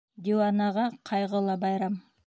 Диуанаға ҡайғы ла байрам.